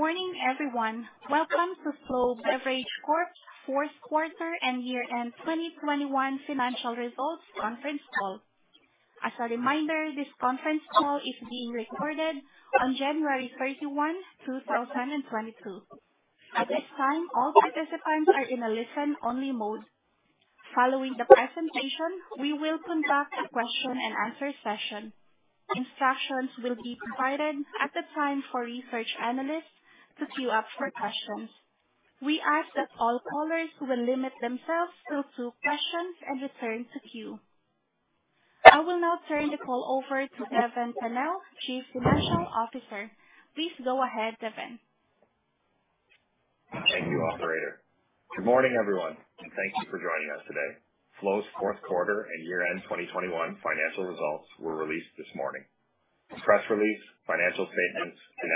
Good morning, everyone. Welcome to Flow Beverage Corp.'s Fourth Quarter and Year End 2021 Financial Results Conference Call. As a reminder, this conference call is being recorded on January 31, 2022. At this time, all participants are in a listen-only mode. Following the presentation, we will conduct a question-and-answer session. Instructions will be provided at the time for research analysts to queue up for questions. We ask that all callers will limit themselves to two questions and return to queue. I will now turn the call over to Devan Pennell, Chief Financial Officer. Please go ahead, Daven. Thank you, operator. Good morning, everyone, and thank you for joining us today. Flow's Fourth Quarter and Year End 2021 Financial Result were released this morning. The press release, financial statements, and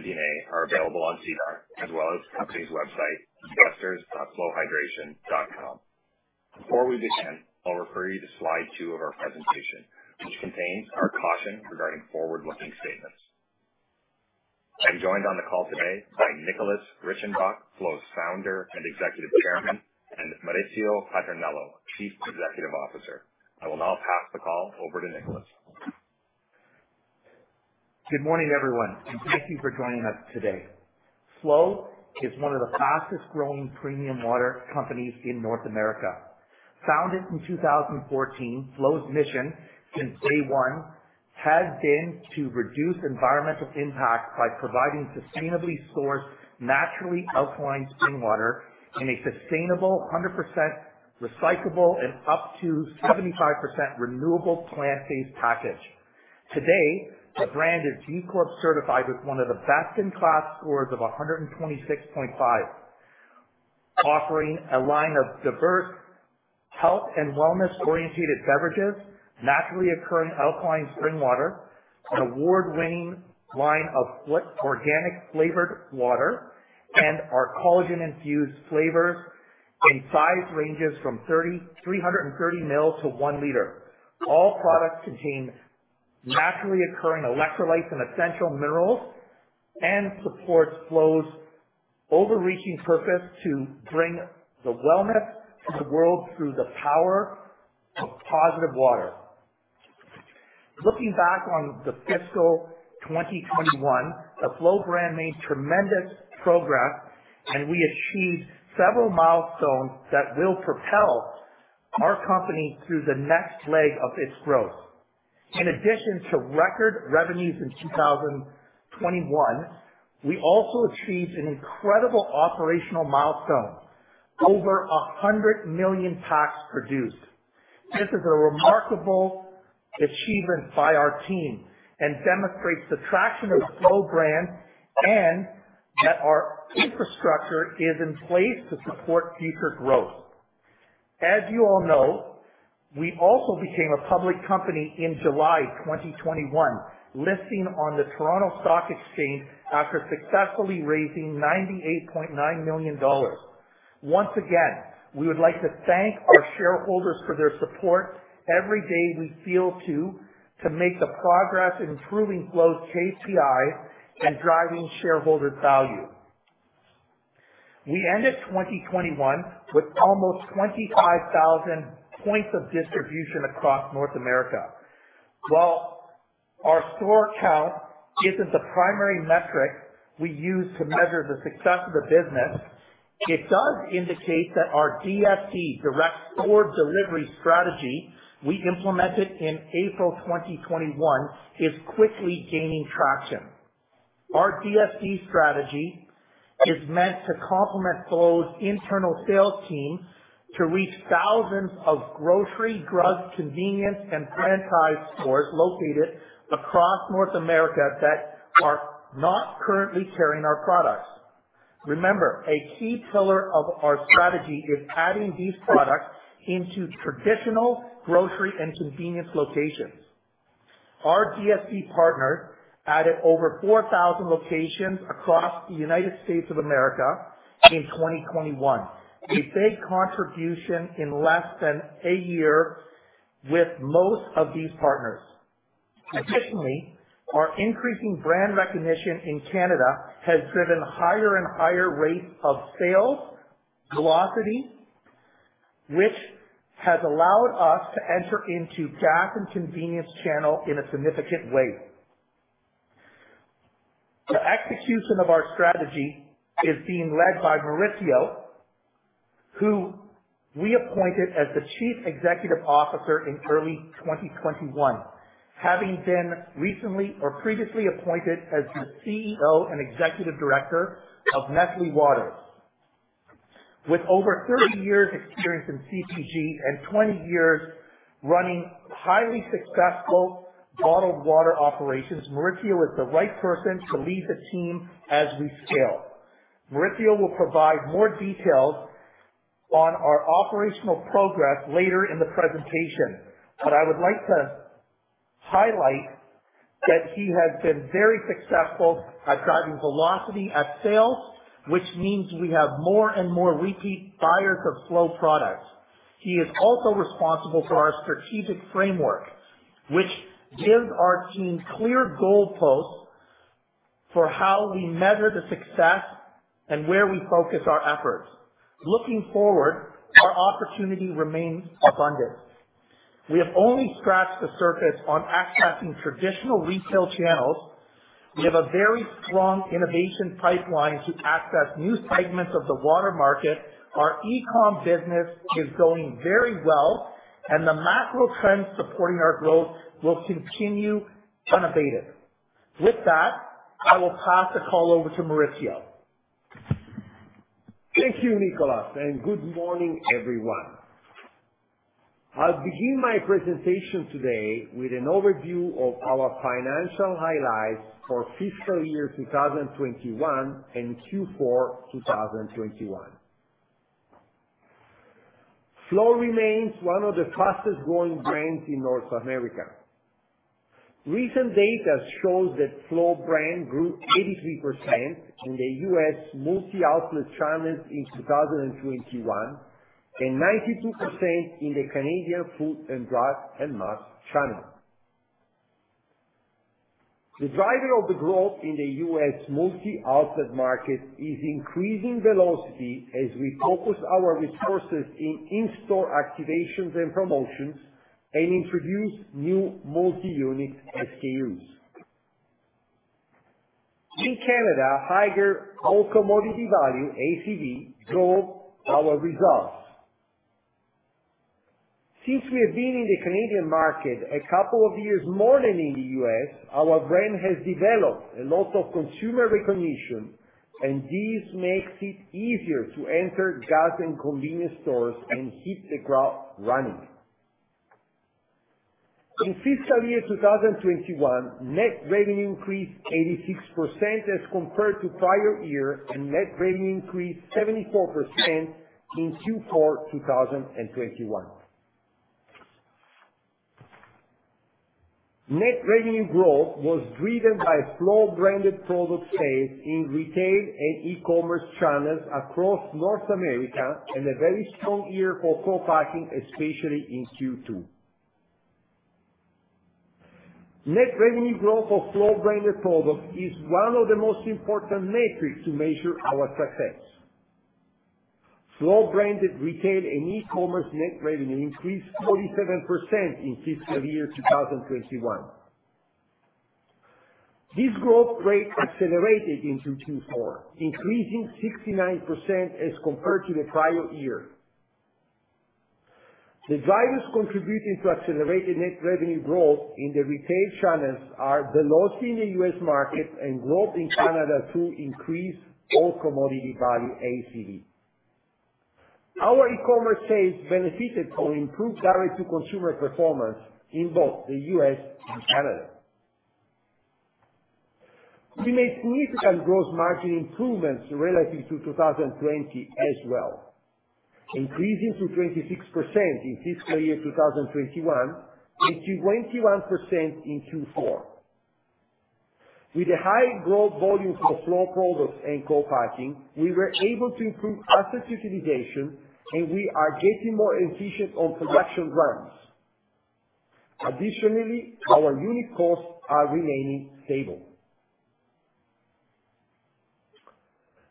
MD&A are available on SEDAR as well as the company's website, investors.flowhydration.com. Before we begin, I'll refer you to slide two of our presentation, which contains our caution regarding forward-looking statements. I'm joined on the call today by Nicholas Reichenbach, Flow's Founder and Executive Chairman, and Maurizio Patarnello, Chief Executive Officer. I will now pass the call over to Nicholas. Good morning, everyone, and thank you for joining us today. Flow is one of the fastest growing premium water companies in North America. Founded in 2014, Flow's mission since day one has been to reduce environmental impact by providing sustainably sourced, naturally alkaline spring water in a sustainable, 100% recyclable and up to 75% renewable plant-based package. Today, the brand is B Corp certified with one of the best-in-class scores of 126.5. Offering a line of diverse health and wellness oriented beverages, naturally occurring alkaline spring water, an award-winning line of organic flavored water, and our collagen infused flavors in size ranges from 330 ml to 1 L. All products contain naturally occurring electrolytes and essential minerals, and support Flow's overarching purpose to bring the wellness to the world through the power of positive water. Looking back on the fiscal 2021, the Flow brand made tremendous progress, and we achieved several milestones that will propel our company through the next leg of its growth. In addition to record revenues in 2021, we also achieved an incredible operational milestone, over 100 million packs produced. This is a remarkable achievement by our team and demonstrates the traction of the Flow brand and that our infrastructure is in place to support future growth. As you all know, we also became a public company in July 2021, listing on the Toronto Stock Exchange after successfully raising CAD 98.9 million. Once again, we would like to thank our shareholders for their support. Every day we fuel to make the progress improving Flow's KPI and driving shareholder value. We ended 2021 with almost 25,000 points of distribution across North America. While our store count isn't the primary metric we use to measure the success of the business, it does indicate that our DSD, direct store delivery strategy we implemented in April 2021, is quickly gaining traction. Our DSD strategy is meant to complement Flow's internal sales team to reach thousands of grocery, drug, convenience, and franchise stores located across North America that are not currently carrying our products. Remember, a key pillar of our strategy is adding these products into traditional grocery and convenience locations. Our DSD partners added over 4,000 locations across the United States of America in 2021. A big contribution in less than a year with most of these partners. Additionally, our increasing brand recognition in Canada has driven higher and higher rates of sales velocity, which has allowed us to enter into gas and convenience channel in a significant way. The execution of our strategy is being led by Maurizio, who we appointed as the Chief Executive Officer in early 2021, having been recently or previously appointed as the CEO and Executive Director of Nestlé Waters. With over 30 years experience in CPG and 20 years running highly successful bottled water operations, Maurizio is the right person to lead the team as we scale. Maurizio will provide more details on our operational progress later in the presentation, but I would like to highlight that he has been very successful at driving velocity at sales, which means we have more and more repeat buyers of Flow products. He is also responsible for our strategic framework, which gives our team clear goalposts for how we measure the success and where we focus our efforts. Looking forward, our opportunity remains abundant. We have only scratched the surface on accessing traditional retail channels. We have a very strong innovation pipeline to access new segments of the water market. Our e-com business is going very well, and the macro trends supporting our growth will continue unabated. With that, I will pass the call over to Maurizio. Thank you, Nicholas, and good morning, everyone. I'll begin my presentation today with an overview of our financial highlights for fiscal year 2021 and Q4 2021. Flow remains one of the fastest growing brands in North America. Recent data shows that Flow brand grew 83% in the U.S. multi-outlet channels in 2021, and 92% in the Canadian food and drug and mass channel. The driver of the growth in the U.S. multi-outlet market is increasing velocity as we focus our resources in-store activations and promotions and introduce new multi-unit SKUs. In Canada, higher all commodity value, ACV, drove our results. Since we have been in the Canadian market a couple of years more than in the U.S., our brand has developed a lot of consumer recognition, and this makes it easier to enter gas and convenience stores and hit the ground running. In fiscal year 2021, net revenue increased 86% as compared to prior year, and net revenue increased 74% in Q4 2021. Net revenue growth was driven by Flow-branded product sales in retail and e-commerce channels across North America, and a very strong year for co-packing, especially in Q2. Net revenue growth of Flow-branded products is one of the most important metrics to measure our success. Flow-branded retail and e-commerce net revenue increased 47% in fiscal year 2021. This growth rate accelerated into Q4, increasing 69% as compared to the prior year. The drivers contributing to accelerated net revenue growth in the retail channels are velocity in the U.S. market and growth in Canada through increased all commodity value, ACV. Our e-commerce sales benefited from improved direct-to-consumer performance in both the U.S. and Canada. We made significant gross margin improvements relative to 2020 as well, increasing to 26% in fiscal year 2021 and to 21% in Q4. With the high growth volume for Flow products and co-packing, we were able to improve asset utilization, and we are getting more efficient on production runs. Additionally, our unit costs are remaining stable.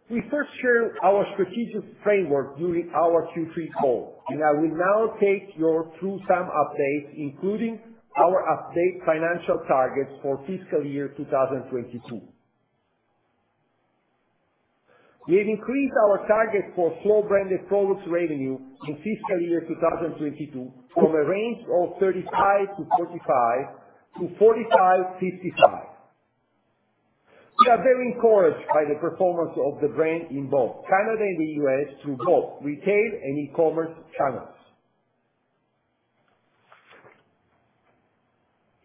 We first shared our strategic framework during our Q3 call, and I will now take you through some updates, including our updated financial targets for fiscal year 2022. We have increased our target for Flow-branded products revenue in fiscal year 2022 from a range of 35-45 to 45-55. We are very encouraged by the performance of the brand in both Canada and the U.S. through both retail and e-commerce channels.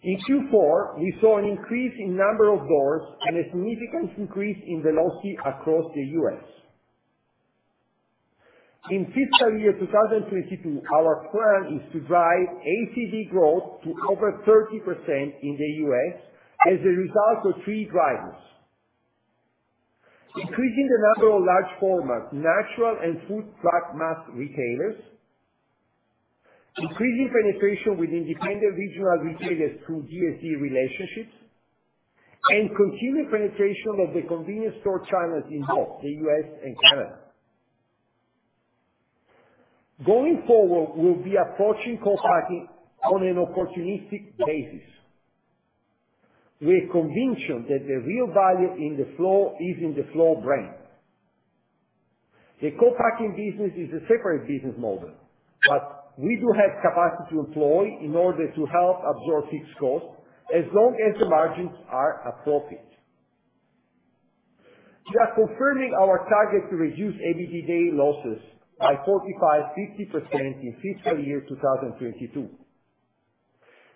In Q4, we saw an increase in number of doors and a significant increase in velocity across the U.S. In fiscal year 2022, our plan is to drive ACV growth to over 30% in the U.S. as a result of three drivers, increasing the number of large format natural and food, drug, mass retailers, increasing penetration with independent regional retailers through GSE relationships, and continued penetration of the convenience store channels in both the U.S. and Canada. Going forward, we'll be approaching co-packing on an opportunistic basis. We're convinced that the real value in the Flow is in the Flow brand. The co-packing business is a separate business model, but we do have capacity to employ in order to help absorb fixed costs as long as the margins are appropriate. We are confirming our target to reduce EBITDA losses by 45%-50% in fiscal year 2022.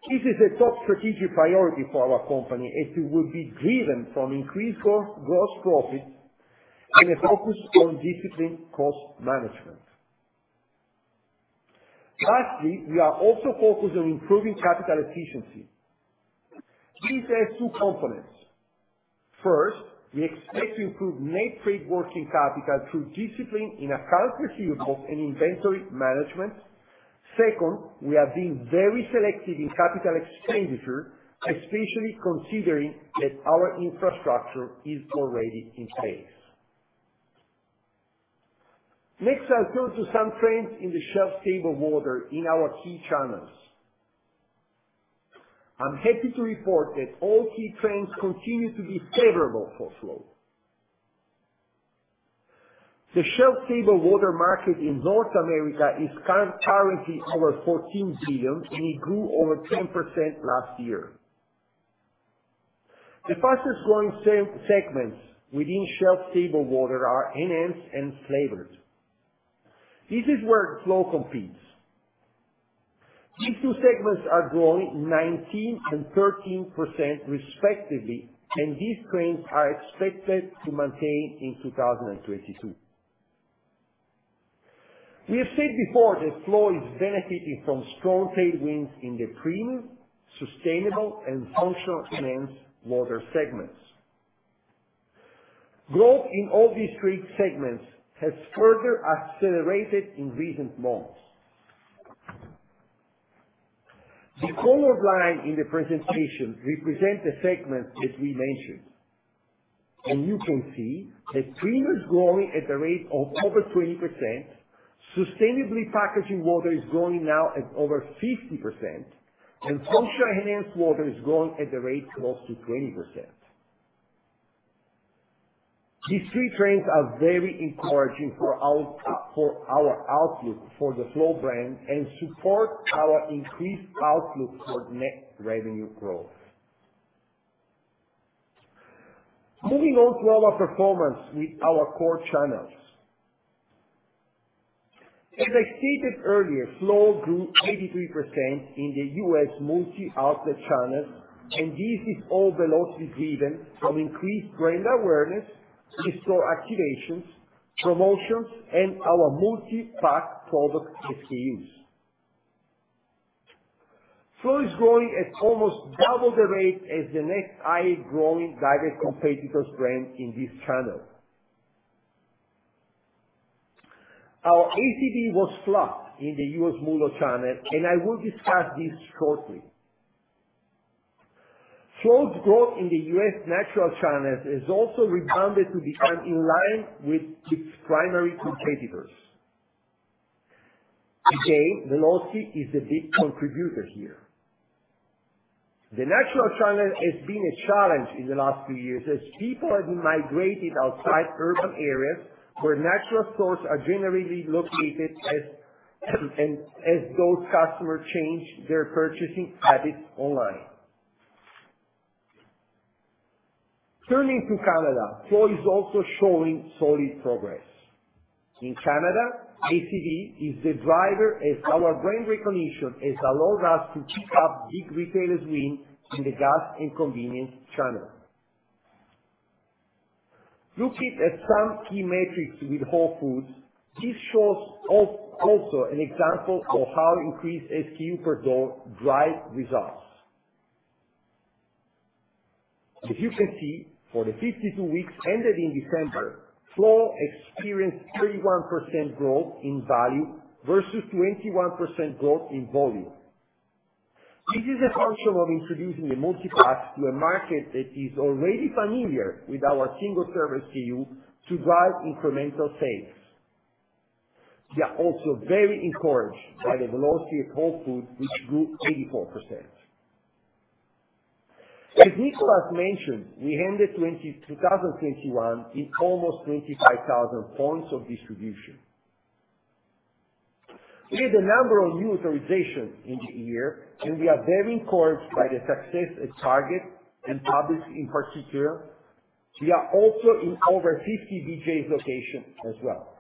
This is a top strategic priority for our company, as it will be driven from increased gross profit and a focus on disciplined cost management. Lastly, we are also focused on improving capital efficiency. This has two components. First, we expect to improve net trade working capital through discipline in accounts receivable and inventory management. Second, we are being very selective in capital expenditure, especially considering that our infrastructure is already in place. Next, I'll turn to some trends in the shelf-stable water in our key channels. I'm happy to report that all key trends continue to be favorable for Flow. The shelf-stable water market in North America is currently over 14 billion, and it grew over 10% last year. The fastest growing segments within shelf-stable water are enhanced and flavored. This is where Flow competes. These two segments are growing 19% and 13% respectively, and these trends are expected to maintain in 2022. We have said before that Flow is benefiting from strong tailwinds in the premium, sustainable, and functional enhanced water segments. Growth in all these three segments has further accelerated in recent months. The colored lines in the presentation represent the segments that we mentioned, and you can see that premium is growing at a rate of over 20%. Sustainably packaging water is growing now at over 50%, and functional enhanced water is growing at a rate close to 20%. These three trends are very encouraging for our outlook for the Flow brand and support our increased outlook for net revenue growth. Moving on to our performance with our core channels. As I stated earlier, Flow grew 83% in the U.S. multi-outlet channels, and this is all velocity driven from increased brand awareness, in-store activations, promotions, and our multi-pack product SKUs. Flow is growing at almost double the rate as the next highest growing guided competitor's brand in this channel. Our ACV was flat in the U.S. multi-channel, and I will discuss this shortly. Flow's growth in the U.S. natural channels has also rebounded to become in line with its primary competitors. Again, velocity is the big contributor here. The natural channel has been a challenge in the last few years as people have migrated outside urban areas where natural stores are generally located as those customers change their purchasing habits online. Turning to Canada, Flow is also showing solid progress. In Canada, ACV is the driver as our brand recognition has allowed us to pick up big retailers wins in the gas and convenience channel. Looking at some key metrics with Whole Foods, this shows also an example of how increased SKU per door drive results. As you can see, for the 52 weeks ended in December, Flow experienced 31% growth in value versus 21% growth in volume. This is a function of introducing a multi-pack to a market that is already familiar with our single serve SKU to drive incremental sales. We are also very encouraged by the velocity of Whole Foods, which grew 84%. As Nicholas mentioned, we ended 2021 in almost 25,000 points of distribution. We had a number of new authorizations in the year, and we are very encouraged by the success at Target and Publix in particular. We are also in over 50 BJ's locations as well.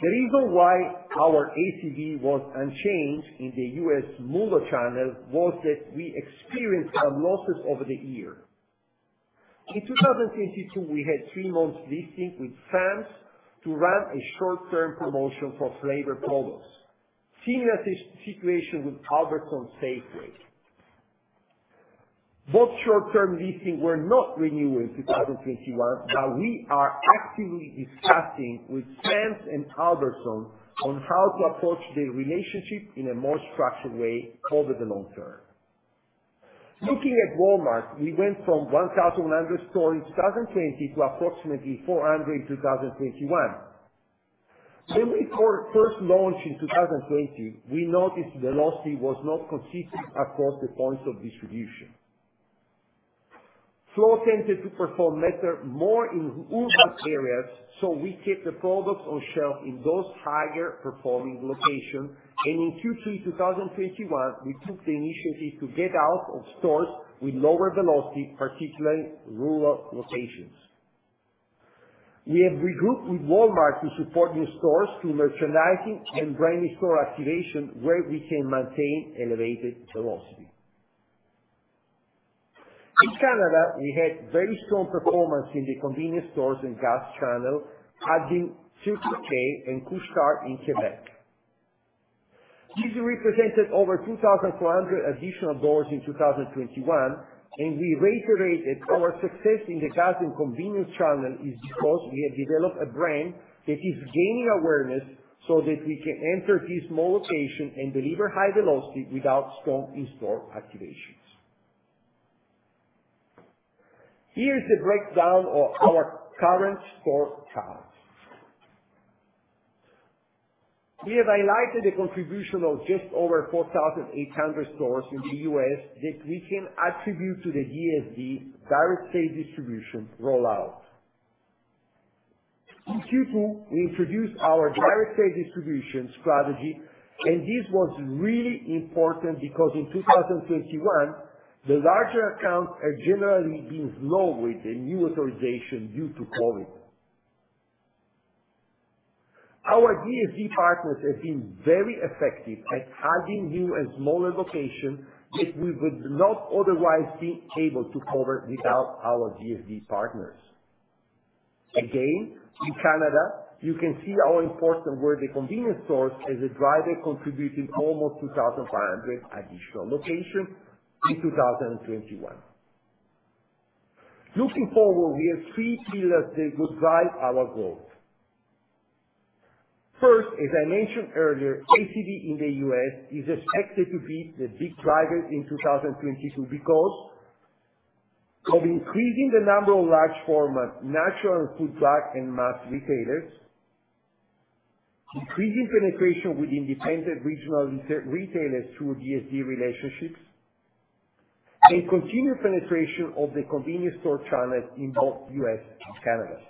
The reason why our ACV was unchanged in the U.S. multi-channel was that we experienced some losses over the year. In 2022, we had three months listing with Sam's to run a short-term promotion for flavored products. Similar situation with Albertsons Safeway. Both short-term listings were not renewed in 2021, but we are actively discussing with Sam's and Albertsons on how to approach the relationship in a more structured way over the long term. Looking at Walmart, we went from 1,000 stores in 2020 to approximately 400 in 2021. When we first launched in 2020, we noticed velocity was not consistent across the points of distribution. Flow tended to perform better more in urban areas, so we kept the products on shelf in those higher performing locations. In Q3 2021, we took the initiative to get out of stores with lower velocity, particularly rural locations. We have regrouped with Walmart to support new stores through merchandising and brand in-store activation where we can maintain elevated velocity. In Canada, we had very strong performance in the convenience stores and gas channel, adding Circle K and Couche-Tard in Quebec. This represented over 2,400 additional doors in 2021, and we reiterated our success in the gas and convenience channel is because we have developed a brand that is gaining awareness so that we can enter these small locations and deliver high velocity without strong in-store activations. Here is the breakdown of our current store count. We have highlighted the contribution of just over 4,800 stores in the U.S. that we can attribute to the DSD, direct store delivery, rollout. In Q2, we introduced our direct store delivery strategy, and this was really important because in 2021, the larger accounts have generally been slow with the new authorization due to COVID. Our DSD partners have been very effective at adding new and smaller locations that we would not otherwise be able to cover without our DSD partners. Again, in Canada, you can see how important were the convenience stores as a driver contributing almost 2,500 additional locations in 2021. Looking forward, we have three pillars that will drive our growth. First, as I mentioned earlier, ACV in the U.S. is expected to be the big driver in 2022 because of increasing the number of large format natural food, drug, and mass retailers, increasing penetration with independent regional retailers through DSD relationships, and continued penetration of the convenience store channels in both U.S. and Canada.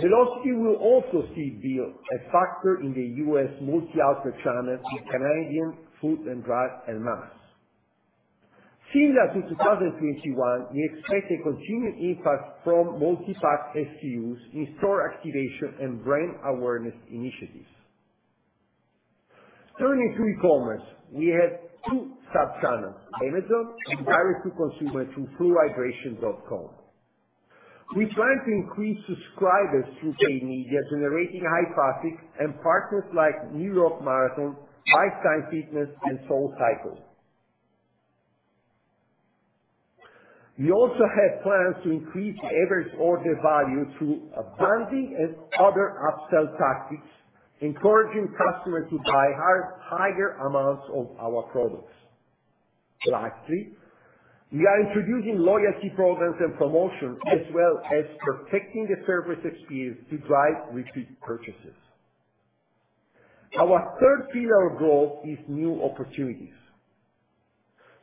Velocity will also be a factor in the U.S. multi-outlet channel in Canadian food and drug and mass. Similar to 2021, we expect a continued impact from multi-pack SKUs in store activation and brand awareness initiatives. Turning to e-commerce. We have two sub-channels, Amazon and direct-to-consumer through flowhydration.com. We plan to increase subscribers through paid media, generating high traffic and partners like New York City Marathon, Life Time and SoulCycle. We also have plans to increase average order value through bundling and other upsell tactics, encouraging customers to buy higher amounts of our products. Lastly, we are introducing loyalty programs and promotions as well as perfecting the service experience to drive repeat purchases. Our third pillar of growth is new opportunities.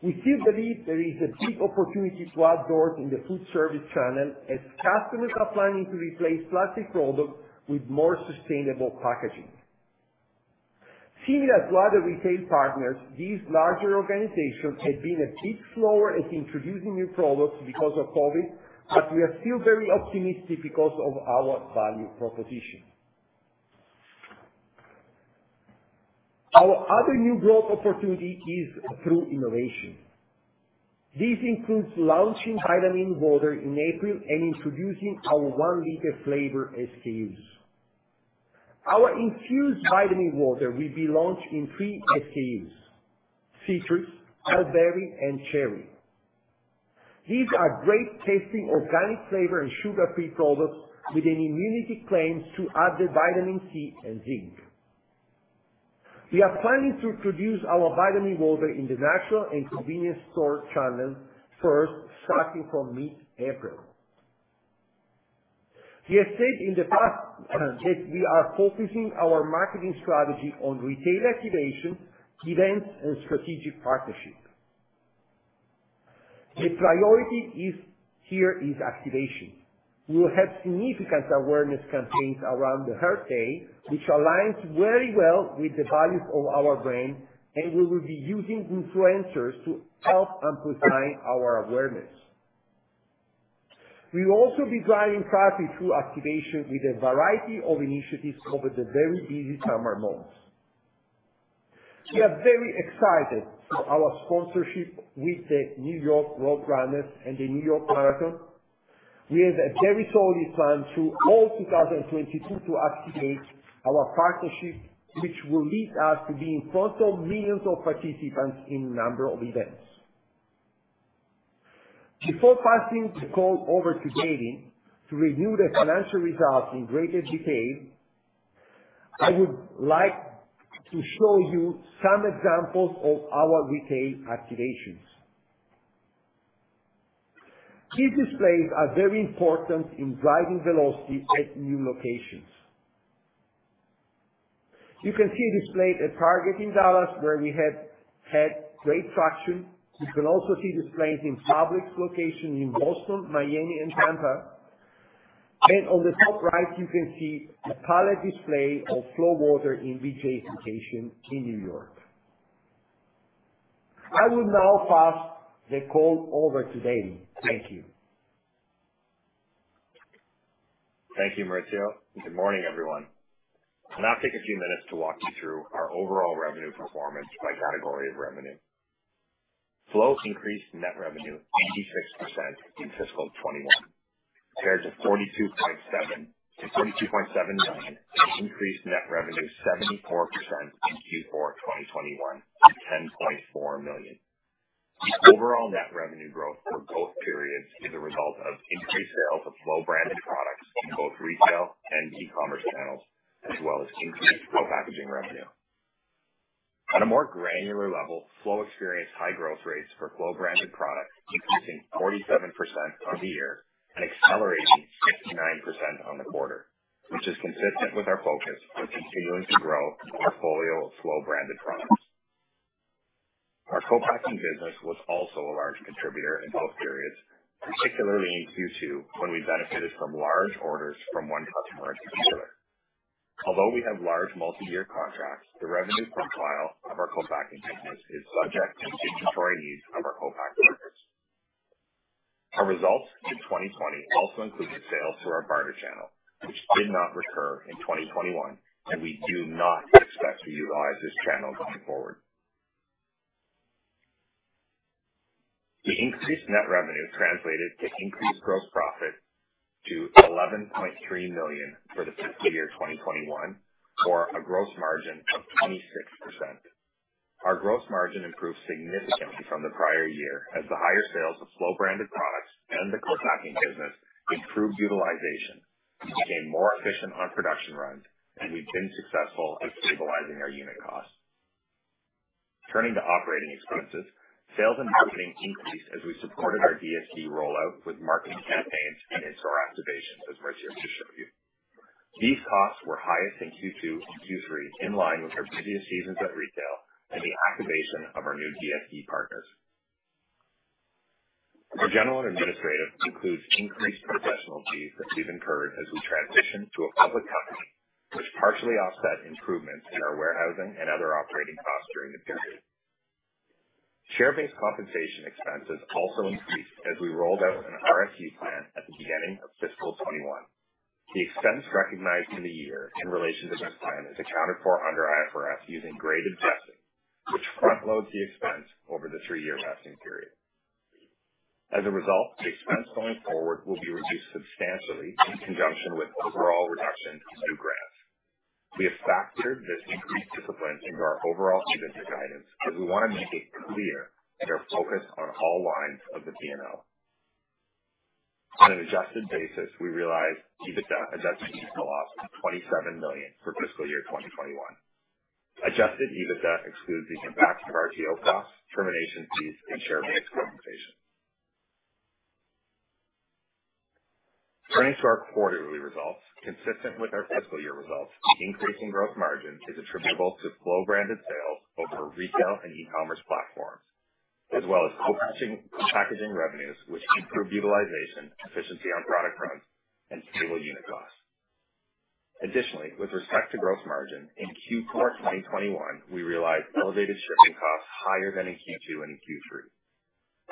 We still believe there is a big opportunity to add doors in the food service channel as customers are planning to replace plastic products with more sustainable packaging. Similar to other retail partners, these larger organizations have been a bit slower at introducing new products because of COVID, but we are still very optimistic because of our value proposition. Our other new growth opportunity is through innovation. This includes launching vitamin water in April and introducing our 1 L flavor SKUs. Our infused vitamin water will be launched in three SKUs, citrus, blueberry, and cherry. These are great-tasting organic flavor and sugar-free products with an immunity claim to add the vitamin C and zinc. We are planning to introduce our vitamin water in the national and convenience store channel first, starting from mid-April. We have said in the past that we are focusing our marketing strategy on retail activation, events, and strategic partnerships. The priority is, here is activation. We will have significant awareness campaigns around Earth Day, which aligns very well with the values of our brand, and we will be using influencers to help amplify our awareness. We will also be driving traffic through activation with a variety of initiatives over the very busy summer months. We are very excited for our sponsorship with the New York Road Runners and the New York Marathon. We have a very solid plan through 2022 to activate our partnership, which will lead us to be in front of millions of participants in a number of events. Before passing the call over to Devan to review the financial results in greater detail, I would like to show you some examples of our retail activations. These displays are very important in driving velocity at new locations. You can see a display at Target in Dallas where we had great traction. You can also see displays in Publix locations in Boston, Miami, and Tampa. On the top right you can see a pallet display of Flow Water in BJ's location in New York. I will now pass the call over to Devan. Thank you. Thank you, Maurizio, and good morning, everyone. I'll now take a few minutes to walk you through our overall revenue performance by category of revenue. Flow increased net revenue 86% in fiscal 2021, compared to 42.7 million, and increased net revenue 74% in Q4 of 2021 to 10.4 million. Overall net revenue growth for both periods is a result of increased sales of Flow branded products in both retail and e-commerce channels, as well as increased co-packaging revenue. On a more granular level, Flow experienced high growth rates for Flow branded products, increasing 47% on the year and accelerating 69% on the quarter, which is consistent with our focus on continuing to grow our portfolio of Flow branded products. Our co-packing business was also a large contributor in both periods, particularly in Q2, when we benefited from large orders from one customer in particular. Although we have large multi-year contracts, the revenue profile of our co-packing business is subject to the inventory needs of our co-pack partners. Our results in 2020 also included sales through our partner channel, which did not recur in 2021, and we do not expect to utilize this channel going forward. The increased net revenue translated to increased gross profit to 11.3 million for the fiscal year 2021, or a gross margin of 26%. Our gross margin improved significantly from the prior year as the higher sales of Flow branded products and the co-packing business improved utilization. We became more efficient on production runs, and we've been successful at stabilizing our unit costs. Turning to operating expenses, sales and marketing increased as we supported our DSD rollout with marketing campaigns and in-store activations, as Maurizio just showed you. These costs were highest in Q2 and Q3, in line with our busiest seasons of retail and the activation of our new DSD partners. Our general and administrative includes increased professional fees that we've incurred as we transition to a public company, which partially offset improvements in our warehousing and other operating costs during the period. Share-based compensation expenses also increased as we rolled out an RSU plan at the beginning of fiscal 2021. The expense recognized in the year in relation to this plan is accounted for under IFRS using grade adjusted, which front loads the expense over the three-year vesting period. As a result, the expense going forward will be reduced substantially in conjunction with overall reductions in new grants. We have factored this increased discipline into our overall EBITDA guidance, as we want to make it clear that our focus on all lines of the P&L. On an adjusted basis, we realized adjusted EBITDA loss of 27 million for fiscal year 2021. Adjusted EBITDA excludes the impact of RTO costs, termination fees, and share-based compensation. Turning to our quarterly results. Consistent with our fiscal year results, increasing gross margin is attributable to Flow branded sales over our retail and e-commerce platforms, as well as co-packing revenues, which improved utilization, efficiency on product runs, and stable unit costs. Additionally, with respect to gross margin, in Q4 of 2021, we realized elevated shipping costs higher than in Q2 and Q3.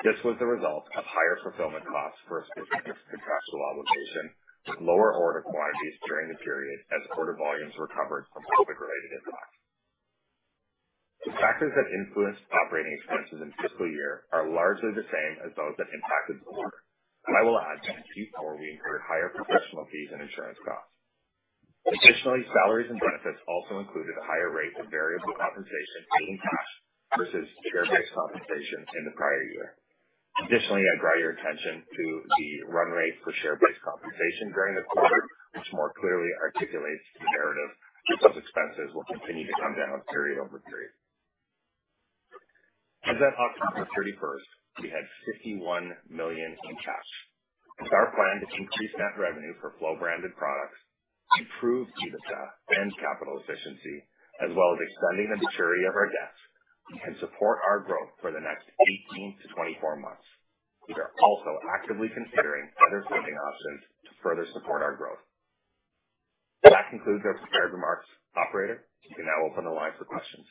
This was the result of higher fulfillment costs for a specific contractual obligation with lower order quantities during the period as order volumes recovered from COVID-related impacts. The factors that influenced operating expenses in fiscal year are largely the same as those that impacted the quarter, and I will add that in Q4 we incurred higher professional fees and insurance costs. Additionally, salaries and benefits also included a higher rate of variable compensation paid in cash versus share-based compensation in the prior year. Additionally, I draw your attention to the run rate for share-based compensation during the quarter, which more clearly articulates the narrative that those expenses will continue to come down period over period. As at October 31st, we had 51 million in cash. With our plan to increase net revenue for Flow branded products, improve EBITDA and capital efficiency, as well as extending the maturity of our debt, we can support our growth for the next 18-24 months. We are also actively considering other funding options to further support our growth. That concludes our prepared remarks. Operator, you can now open the line for questions.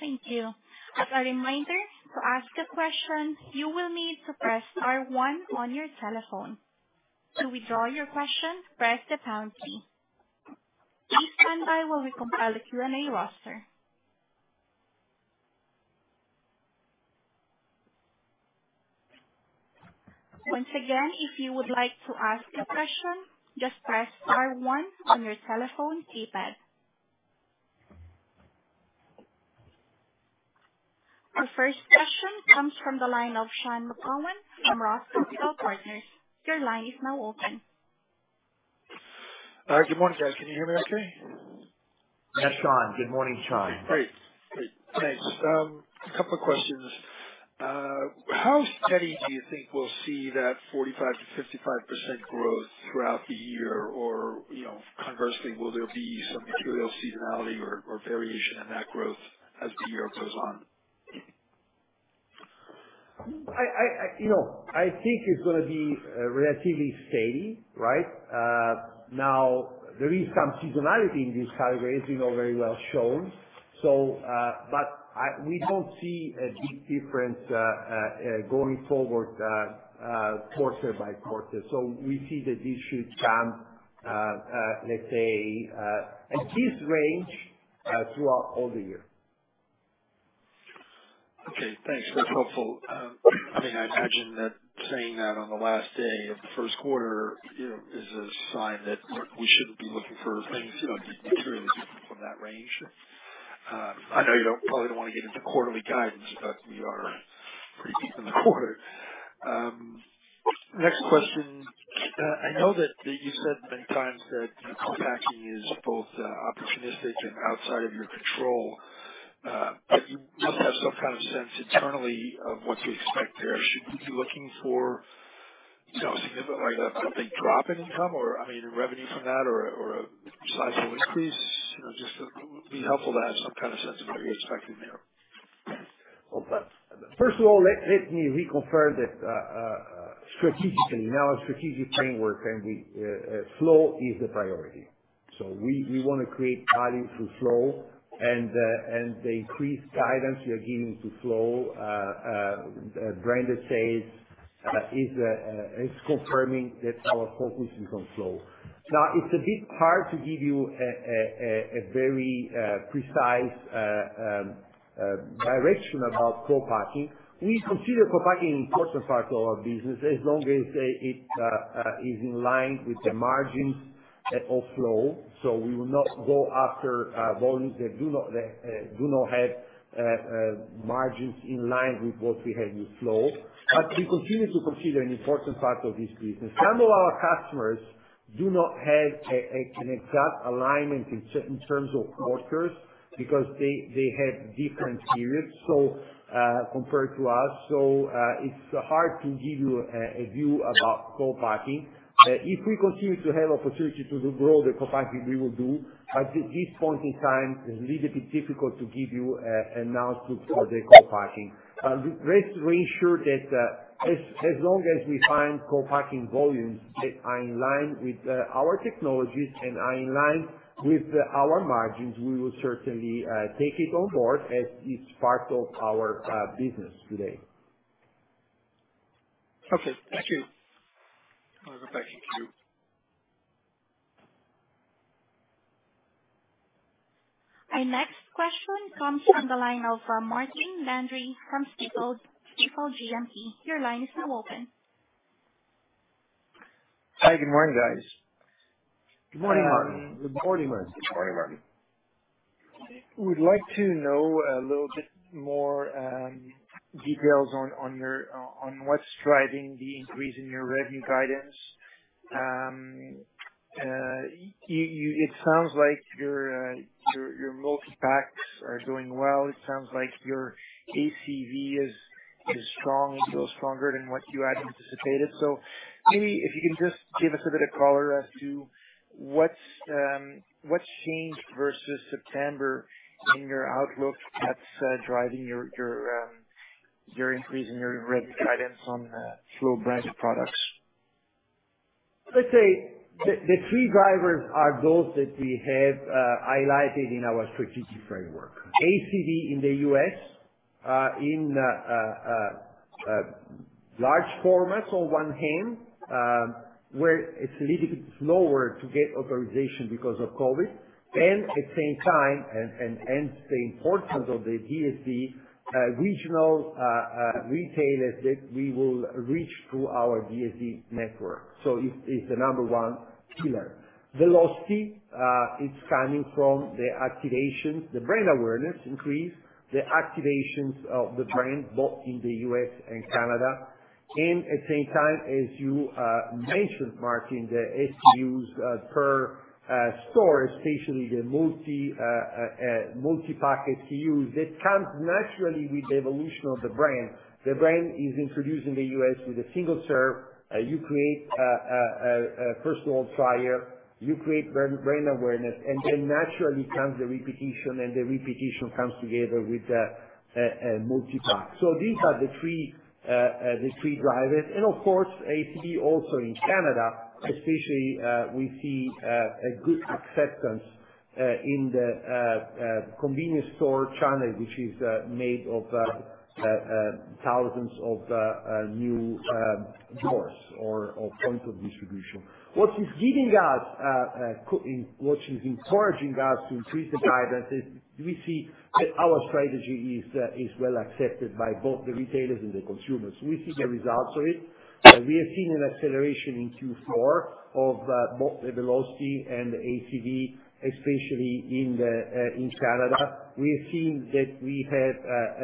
Thank you. As a reminder, to ask a question, you will need to press star one on your telephone. To withdraw your question, press the pound key. Please stand by while we compile the Q&A roster. Once again, if you would like to ask a question, just press star one on your telephone keypad. Our first question comes from the line of Sean McGowan from Roth Capital Partners. Your line is now open. Good morning, guys. Can you hear me okay? Yes, Sean. Good morning, Sean. Great. Thanks. A couple of questions. How steady do you think we'll see that 45%-55% growth throughout the year? Or, you know, conversely, will there be some material seasonality or variation in that growth as the year goes on? You know, I think it's gonna be relatively steady, right? Now there is some seasonality in these categories, you know, very well shown. We don't see a big difference going forward, quarter by quarter. We see that this should come, let's say, at this range throughout all the year. Okay, thanks. That's helpful. I mean, I imagine that saying that on the last day of the first quarter, you know, is a sign that we shouldn't be looking for things, you know, to be materially different from that range. I know you probably don't wanna get into quarterly guidance, but we are pretty deep in the quarter. Next question. I know that you've said many times that, you know, co-packing is both opportunistic and outside of your control, but you must have some kind of sense internally of what to expect there. Should we be looking for, you know, a significant, like a big drop in income or, I mean, revenue from that or a sizable increase? You know, just it would be helpful to have some kind of sense of where you're expecting there. Well, first of all, let me reconfirm that strategically, in our strategic framework, Flow is the priority. We wanna create value through Flow and the increased guidance we are giving to Flow branded sales is confirming that our focus is on Flow. Now, it's a bit hard to give you a very precise direction about co-packing. We consider co-packing an important part of our business as long as it is in line with the margins of Flow, so we will not go after volumes that do not have margins in line with what we have with Flow. We continue to consider an important part of this business. Some of our customers do not have an exact alignment in terms of quarters because they have different periods compared to us, so it's hard to give you a view about co-packing. If we continue to have opportunity to grow the co-packing, we will do, but at this point in time, it's a little bit difficult to give you a number for the co-packing. Rest assured that as long as we find co-packing volumes that are in line with our technologies and are in line with our margins, we will certainly take it on board as it's part of our business today. Okay. Thank you. You're welcome. Thank you. Our next question comes from the line of Martin Landry from Stifel GMP. Your line is now open. Hi, good morning, guys. Good morning, Martin. Good morning, Martin. Good morning, Martin. would like to know a little bit more details on what's driving the increase in your revenue guidance. It sounds like your multi-packs are doing well. It sounds like your ACV is strong, a little stronger than what you had anticipated. Maybe if you can just give us a bit of color as to what changed versus September in your outlook that's driving your increase in your revenue guidance on Flow brand products. Let's say the key drivers are those that we have highlighted in our strategic framework. ACV in the U.S., large formats on one hand, where it's a little bit slower to get authorization because of COVID, and at the same time, the importance of the DSD regional retailers that we will reach through our DSD network. It's the number one pillar. Velocity is coming from the activations, the brand awareness increase, the activations of the brand, both in the U.S. and Canada, and at the same time, as you mentioned, Martin, the SKUs per store, especially the multi-pack SKUs that comes naturally with the evolution of the brand. The brand is introduced in the U.S. with a single serve. First of all, Flow, you create brand awareness, and then naturally comes the repetition, and the repetition comes together with the multi-pack. These are the three drivers. Of course, ACV also in Canada, especially, we see a good acceptance in the convenience store channel, which is made of thousands of new doors or points of distribution. What is encouraging us to increase the guidance is we see that our strategy is well accepted by both the retailers and the consumers. We see the results of it. We are seeing an acceleration in Q4 of both the velocity and the ACV, especially in Canada. We have seen that we have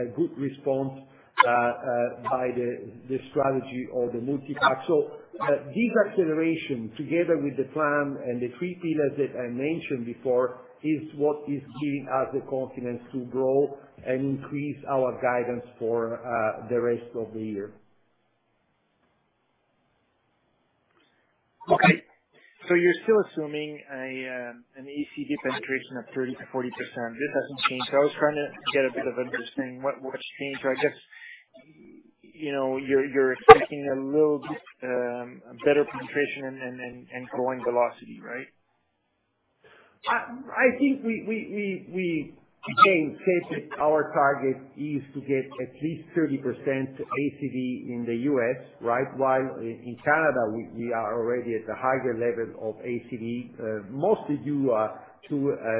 a good response by the strategy or the multi-pack. This acceleration, together with the plan and the three pillars that I mentioned before, is what is giving us the confidence to grow and increase our guidance for the rest of the year. Okay. You're still assuming an ACV penetration of 30%-40%. This doesn't change. I was trying to get a bit of understanding what's changed. You know, you're expecting a little better penetration and growing velocity, right? I think we again stated our target is to get at least 30% ACV in the U.S., right? While in Canada, we are already at the higher level of ACV, mostly due to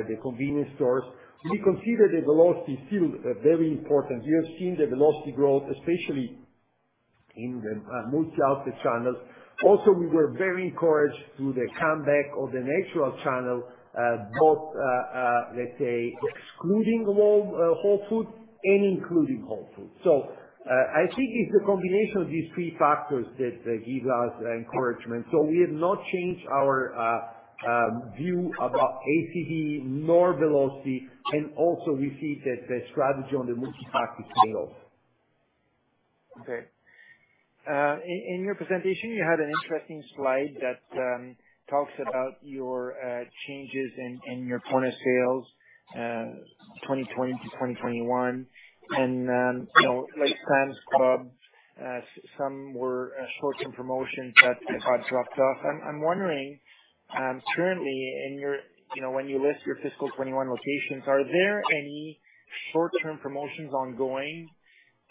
the convenience stores. We consider the velocity still very important. We have seen the velocity growth, especially in the multi-outlet channels. Also, we were very encouraged through the comeback of the natural channel, both, let's say excluding Whole Foods and including Whole Foods. I think it's the combination of these three factors that give us encouragement. We have not changed our view about ACV nor velocity. Also we see that the strategy on the multi-pack is paying off. Okay. In your presentation, you had an interesting slide that talks about your changes in your point of sales, 2020 to 2021 and, you know, like Sam's Club, some were short-term promotions that have dropped off. I'm wondering, currently in your. You know, when you list your fiscal 2021 locations, are there any short-term promotions ongoing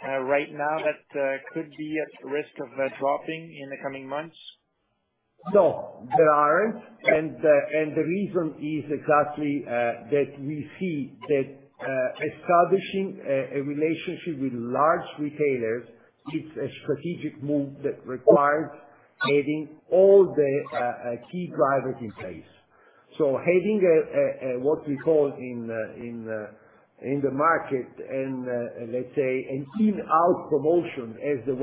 right now that could be at risk of dropping in the coming months? No, there aren't. The reason is exactly that we see that establishing a relationship with large retailers is a strategic move that requires having all the key drivers in place. Having a what we call in the market and let's say in-out promotion as the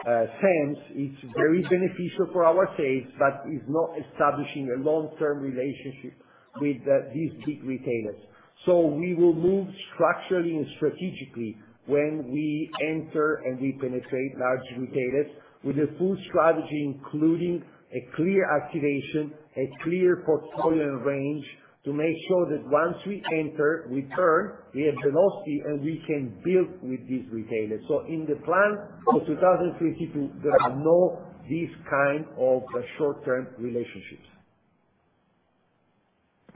one we had with Sam's, it's very beneficial for our sales, but it's not establishing a long-term relationship with these big retailers. We will move structurally and strategically when we enter and we penetrate large retailers with a full strategy, including a clear activation, a clear portfolio range, to make sure that once we enter, we have velocity, and we can build with these retailers. In the plan for 2022, there are no these kind of short-term relationships.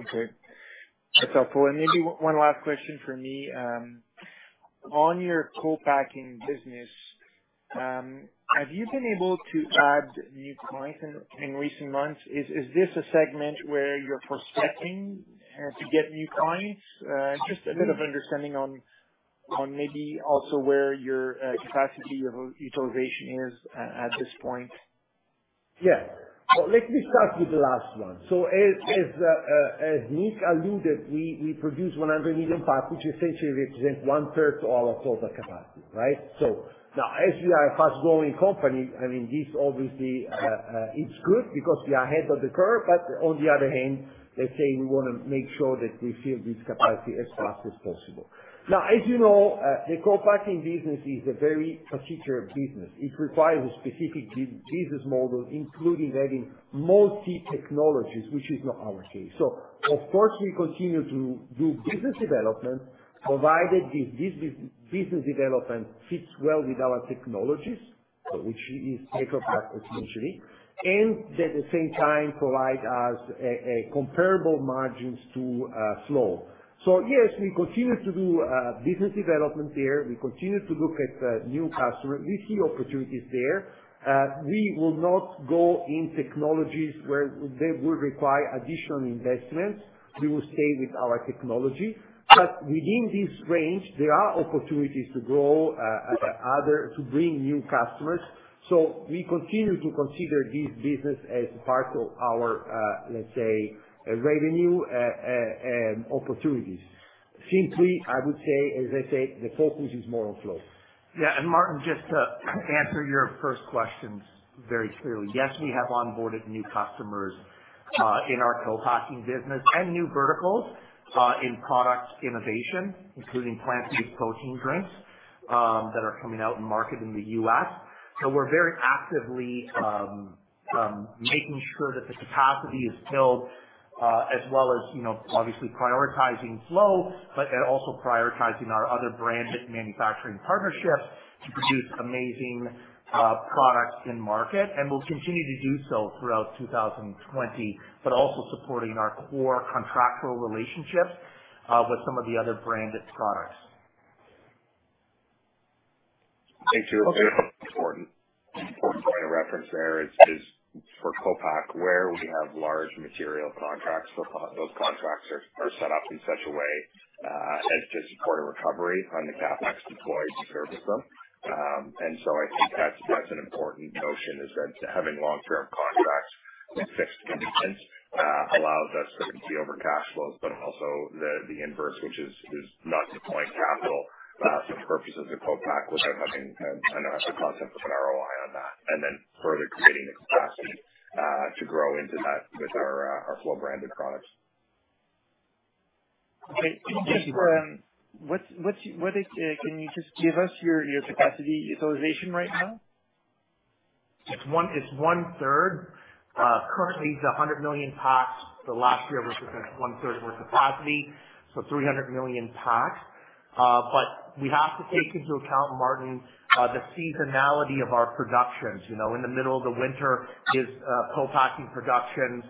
Okay. That's helpful. Maybe one last question from me. On your co-packing business, have you been able to add new clients in recent months? Is this a segment where you're prospecting to get new clients? Just a bit of understanding on maybe also where your capacity utilization is at this point. Let me start with the last one. As Nicholas alluded, we produce 100 million packages, essentially represent one third of all our total capacity, right? Now as we are a fast-growing company, I mean this obviously, it's good because we are ahead of the curve. On the other hand, let's say we wanna make sure that we fill this capacity as fast as possible. As you know, the co-packing business is a very particular business. It requires a specific business model, including adding multiple technologies, which is not our case. Of course, we continue to do business development, provided this business development fits well with our technologies, which is pack of parts essentially, and at the same time provide us a comparable margins to Flow. Yes, we continue to do business development there. We continue to look at new customers. We see opportunities there. We will not go in technologies where they would require additional investments. We will stay with our technology. Within this range, there are opportunities to grow other to bring new customers. We continue to consider this business as part of our let's say revenue opportunities. Simply, I would say, as I said, the focus is more on Flow. Yeah. Martin, just to answer your first questions very clearly. Yes, we have onboarded new customers in our co-packing business and new verticals in product innovation, including plant-based protein drinks that are coming out in market in the U.S. We're very actively making sure that the capacity is filled as well as, you know, obviously prioritizing Flow, but also prioritizing our other branded manufacturing partnerships to produce amazing products in market. We'll continue to do so throughout 2020, but also supporting our core contractual relationships with some of the other branded products. Thank you. Okay. Important point of reference there is for co-pack, where we have large material contracts for co-pack. Those contracts are set up in such a way as to support a recovery on the CapEx deployed to service them. I think that's an important notion is that having long-term contracts with fixed commitments allows us certainty over cash flows, but also the inverse, which is not deploying capital for purposes of co-pack without having a concept of an ROI on that, and then further creating the capacity to grow into that with our Flow branded products. Okay. Can you just give us your capacity utilization right now? It's 1/3. Currently it's 100 million packs. The last year was at 1/3 of our capacity, so 300 million packs. But we have to take into account, Martin, the seasonality of our productions. You know, in the middle of the winter, is co-packing production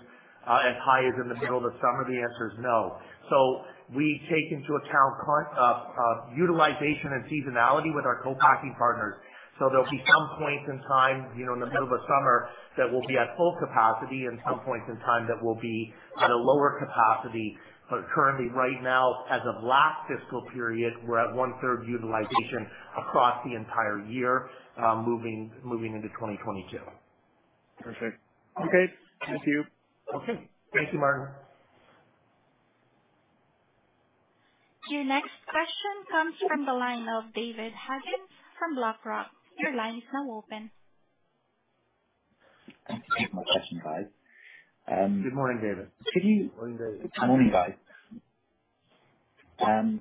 as high as in the middle of the summer? The answer is no. We take into account utilization and seasonality with our co-packing partners. There'll be some point in time, you know, in the middle of a summer that we'll be at full capacity and some point in time that we'll be at a lower capacity. Currently, right now, as of last fiscal period, we're at 1/3 utilization across the entire year, moving into 2022. Perfect. Okay. Thank you. Okay. Thank you, Martin. Your next question comes from the line of David Haegelin from BlackRock. Your line is now open. Thanks for taking my question, guys. Good morning, David. Could you- Morning, David. Morning, guys. I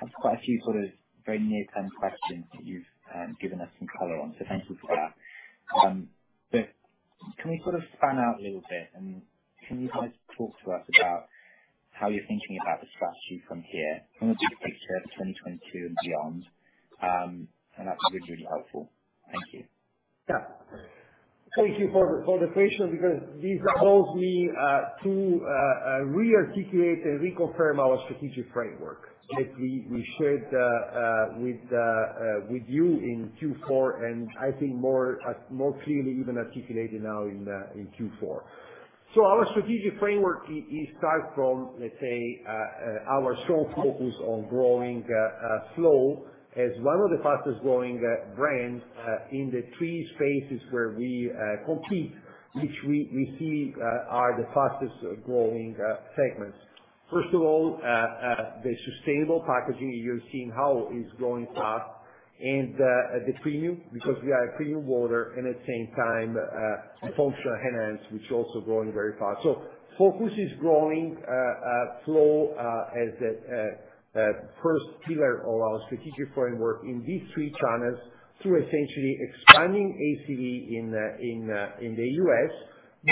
have quite a few sort of very near-term questions that you've given us some color on, so thank you for that. Can we zoom out a little bit, and can you guys talk to us about how you're thinking about the strategy from here, from a big picture, 2022 and beyond? That'd be really, really helpful. Thank you. Yeah. Thank you for the question because this allows me to re-articulate and reconfirm our strategic framework that we shared with you in Q4 and I think more clearly even articulated now in Q4. Our strategic framework is start from, let's say, our strong focus on growing Flow as one of the fastest growing brands in the three spaces where we compete, which we see are the fastest growing segments. First of all, the sustainable packaging, you're seeing how is growing fast and the premium, because we are a premium water and at the same time, functionally enhanced, which also growing very fast. Focus is growing Flow as the first pillar of our strategic framework in these three channels through essentially expanding ACV in the U.S.,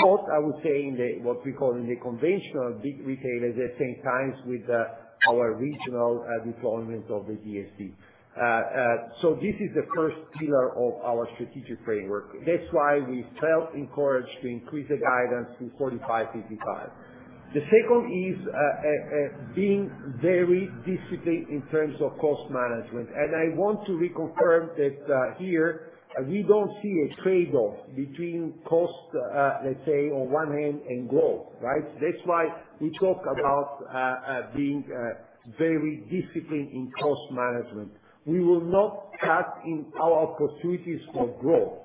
both I would say in what we call the conventional big retailers, at the same time with our regional deployment of the DSD. This is the first pillar of our strategic framework. That's why we felt encouraged to increase the guidance to 45-55. The second is being very disciplined in terms of cost management. I want to reconfirm that here we don't see a trade-off between cost, let's say on one hand, and growth, right? That's why we talk about being very disciplined in cost management. We will not cut in our opportunities for growth.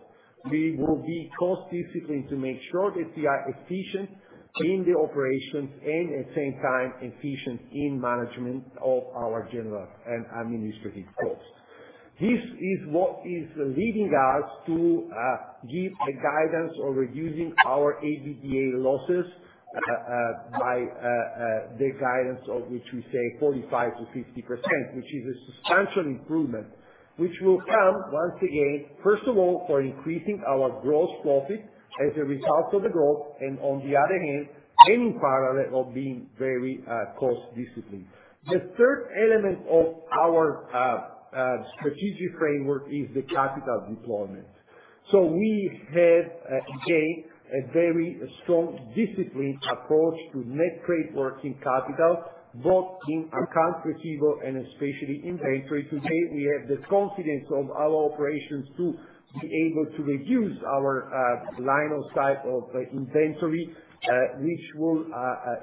We will be cost disciplined to make sure that we are efficient in the operations and at the same time efficient in management of our general and administrative costs. This is what is leading us to give a guidance on reducing our EBITDA losses by the guidance of which we say 45%-50%, which is a substantial improvement, which will come once again, first of all, for increasing our gross profit as a result of the growth and on the other hand, in parallel of being very cost disciplined. The third element of our strategic framework is the capital deployment. We have again a very strong disciplined approach to net trade working capital, both in accounts receivable and especially inventory. Today we have the confidence of our operations to be able to reduce our line of sight of inventory, which will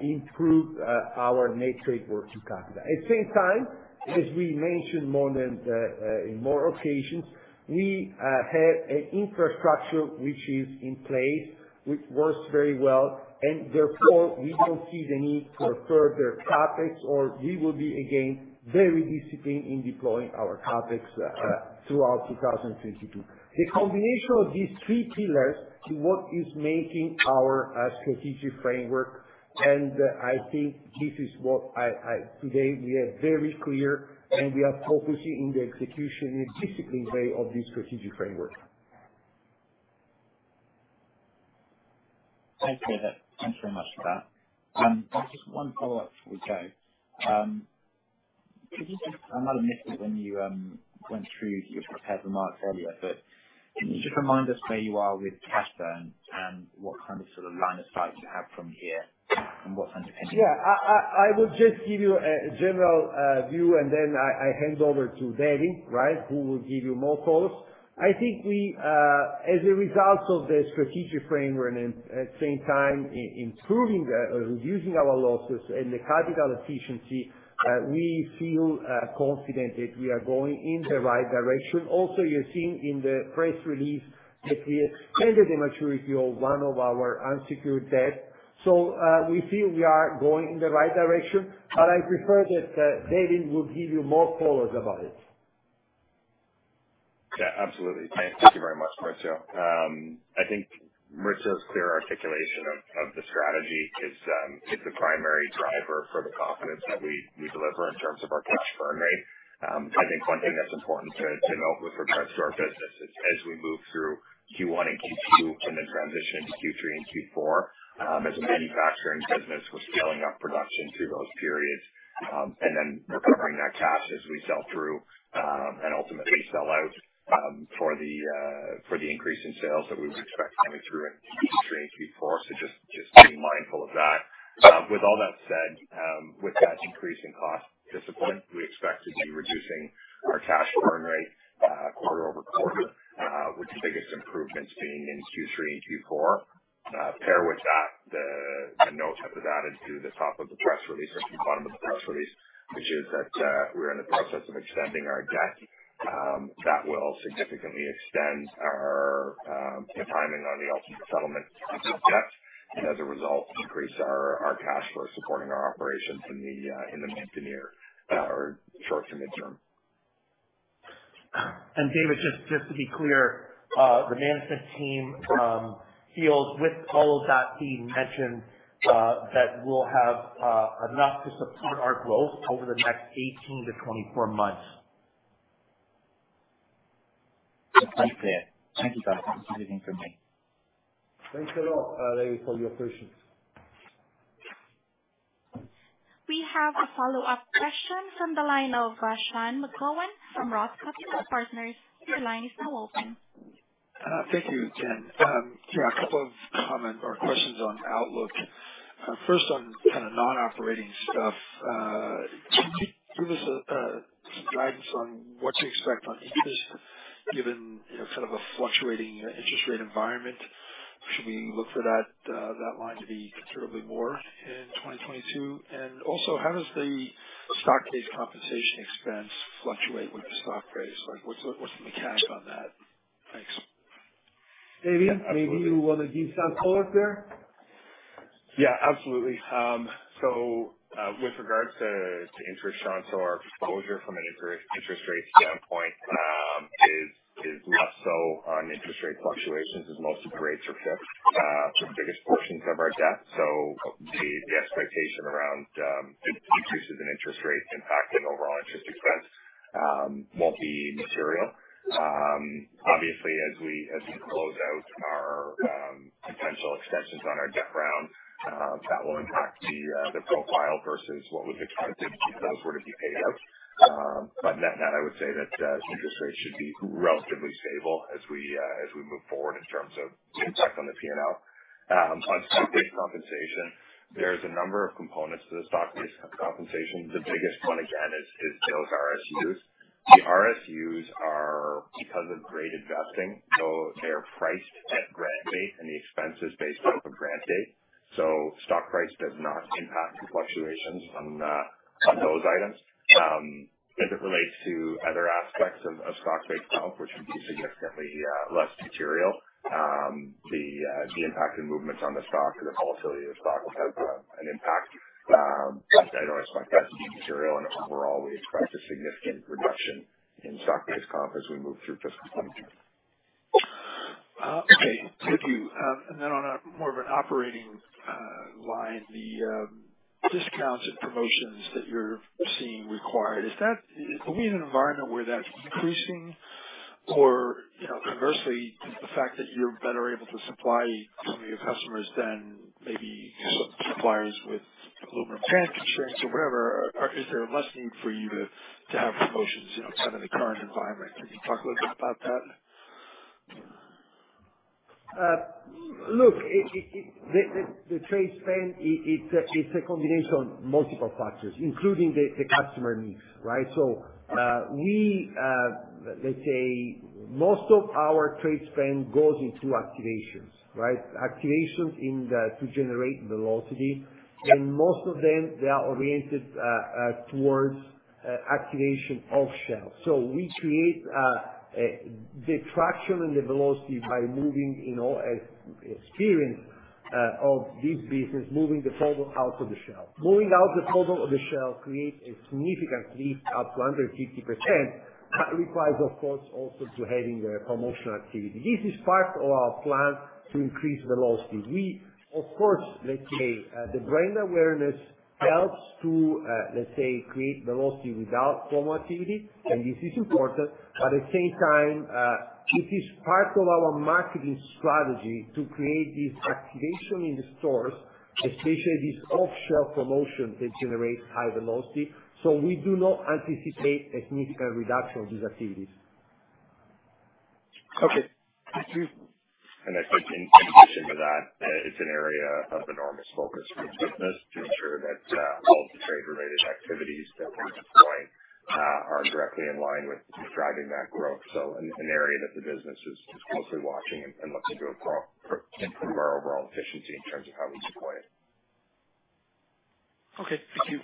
improve our net trade working capital. At the same time, as we mentioned more than once on more occasions, we have an infrastructure which is in place which works very well and therefore we don't see the need for further CapEx or we will be again very disciplined in deploying our CapEx throughout 2032. The combination of these three pillars is what is making our strategic framework. I think this is what. Today we are very clear and we are focusing on the execution in a disciplined way of this strategic framework. Okay. Thanks so much for that. Just one follow-up before we go. Could you just, I might have missed it when you went through your prepared remarks earlier, but can you just remind us where you are with cash burn and what kind of sort of line of sight you have from here and what kind of- I will just give you a general view and then I hand over to Devan, right? Who will give you more colors. I think we, as a result of the strategic framework and at the same time reducing our losses and the capital efficiency, we feel confident that we are going in the right direction. Also, you're seeing in the press release that we extended the maturity of one of our unsecured debt. We feel we are going in the right direction, but I prefer that Devan will give you more colors about it. Yeah, absolutely. Thank you very much, Maurizio. I think Richard's clear articulation of the strategy is the primary driver for the confidence that we deliver in terms of our cash burn rate. I think one thing that's important to note with regards to our business is as we move through Q1 and Q2 and then transition into Q3 and Q4, as a manufacturing business, we're scaling up production through those periods, and then recovering that cash as we sell through, and ultimately sell out, for the increase in sales that we would expect coming through in Q3 and Q4. Just be mindful of that. With all that said, with that increase in cost discipline, we expect to be reducing our cash burn rate quarter-over-quarter, with the biggest improvements being in Q3 and Q4. Paired with that, the note that was added to the top of the press release or to the bottom of the press release, which is that we're in the process of extending our debt. That will significantly extend the timing on the ultimate settlement of debt and, as a result, increase our cash flow supporting our operations in the short- to medium-term. David, just to be clear, the management team feels with all of that being mentioned, that we'll have enough to support our growth over the next 18-24 months. That's right, Dave. Thank you, Dave, for visiting for me. Thanks a lot, David, for your questions. We have a follow-up question from the line of, Sean McGowan from Roth Capital Partners. Your line is now open. Thank you, Jen. Yeah, a couple of comments or questions on outlook. First on kind of non-operating stuff. Could you give us some guidance on what to expect on interest given, you know, sort of a fluctuating interest rate environment? Should we look for that line to be considerably more in 2022? And also, how does the stock-based compensation expense fluctuate with the stock price? Like, what's the mechanic on that? Thanks. Devan, maybe you wanna give that call out there. Yeah, absolutely. With regard to interest, Sean, our exposure from an interest rate standpoint is less so on interest rate fluctuations as most of the rates are fixed, sort of biggest portions of our debt. The expectation around increases in interest rates impacting overall interest expense won't be material. Obviously, as we close out our potential extensions on our debt round, that will impact the profile versus what was expected if those were to be paid out. Net-net, I would say that interest rates should be relatively stable as we move forward in terms of the impact on the PNL. On stock-based compensation, there's a number of components to the stock-based compensation. The biggest one again is those RSUs. The RSUs are because of graded vesting, so they're priced at grant date and the expense is based off of grant date. Stock price does not impact the fluctuations on those items. As it relates to other aspects of stock-based comp, which would be significantly less material, the impact and movements on the stock or the volatility of the stock will have an impact. I don't expect that to be material and overall we expect a significant reduction in stock-based comp as we move through fiscal 2022. Okay. Thank you. On a more of an operating line, the discounts and promotions that you're seeing required, is that? Are we in an environment where that's increasing or, you know, conversely, just the fact that you're better able to supply some of your customers than maybe suppliers with aluminum can constraints or whatever, or is there less need for you to have promotions, you know, kind of in the current environment? Can you talk a little bit about that? Look, the trade spend, it's a combination of multiple factors, including the customer needs, right? We, let's say most of our trade spend goes into activations, right? Activations to generate velocity, and most of them, they are oriented towards activation of shelf. We create the traction and the velocity by moving, you know, experience of this business, moving the product off the shelf. Moving the product off the shelf creates a significant lift, up to 150%. That requires, of course, also having the promotional activity. This is part of our plan to increase velocity. We of course, let's say, the brand awareness helps to, let's say, create velocity without promo activity, and this is important. At the same time, this is part of our marketing strategy to create this activation in the stores, especially this off-shelf promotion that generates high velocity. We do not anticipate a significant reduction of these activities. Okay. Thank you. I think in addition to that, it's an area of enormous focus for the business to ensure that all of the trade-related activities that we deploy are directly in line with driving that growth. An area that the business is closely watching and looking to improve our overall efficiency in terms of how we deploy. Okay. Thank you.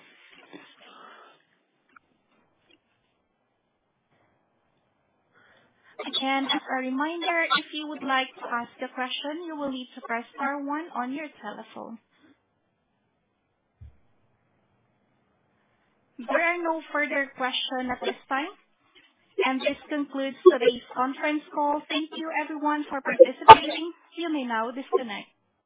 Again, just a reminder, if you would like to ask a question, you will need to press star one on your telephone. There are no further question at this time, and this concludes today's conference call. Thank you everyone for participating. You may now disconnect.